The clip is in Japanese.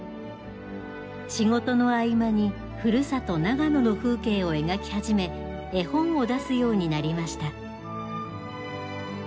仕事の合間にふるさと長野の風景を描き始め絵本を出すようになりました。